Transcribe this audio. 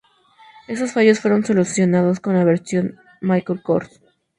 Esos fallos fueron solucionados con la versión Mk.